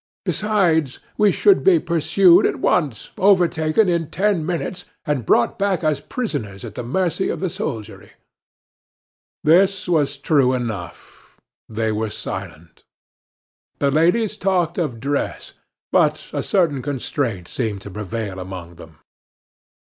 Besides, we should be pursued at once, overtaken in ten minutes, and brought back as prisoners at the mercy of the soldiery." This was true enough; they were silent. The ladies talked of dress, but a certain constraint seemed to prevail among them.